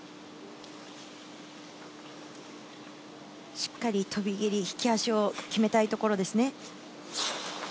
しっかり飛び蹴り、引き足を決めたいところですね。